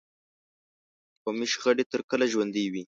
قومي شخړې تر کله ژوندي وي.